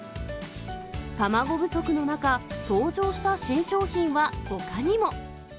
卵不足の中、登場した新商品はほかにも。